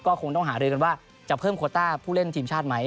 ก็คงต้องหารือกันว่าจะเพิ่มโคต้าผู้เล่นทีมชาติไหม